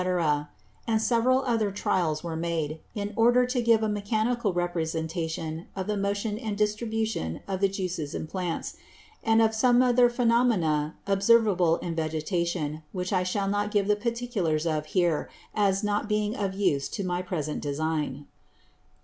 _ And several other Trials were made, in order to give a mechanical Representation of the motion and distribution of the Juices in Plants; and of some other Phænomena observable in Vegetation, which I shall not give the Particulars of here, as being not of use to my present design.